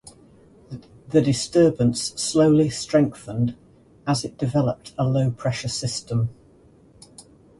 The disturbance slowly strengthened as it developed a low pressure system.